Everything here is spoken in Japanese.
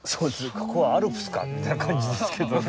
ここはアルプスかみたいな感じですけどね。